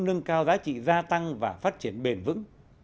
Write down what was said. nâng cao giá trị gia tăng và phát triển bền vững